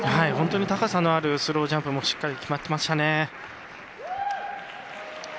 本当に高さのあるスロージャンプもしっかり決まってましたね。